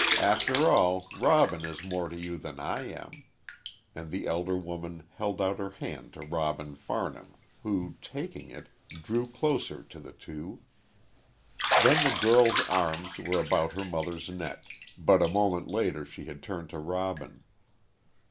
After all, Robin is more to you than I am," and the elder woman held out her hand to Robin Farnham, who, taking it, drew closer to the two. Then the girl's arms were about her mother's neck, but a moment later she had turned to Robin.